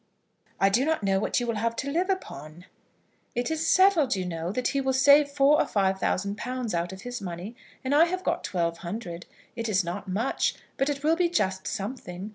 "I do not know what you will have to live upon." "It is settled, you know, that he will save four or five thousand pounds out of his money, and I have got twelve hundred. It is not much, but it will be just something.